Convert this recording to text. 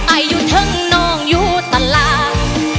อายุถึงน้องอยู่ตลาด